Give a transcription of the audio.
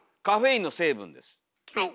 はい。